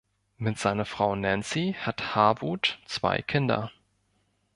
Mit seiner Frau Nancy hat Harewood zwei Kinder.